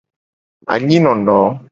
Anyi nono.